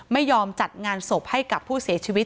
ไม่ยอมจัดงานศพให้กับผู้เสียชีวิต